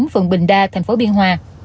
phường bình đa tp biên hòa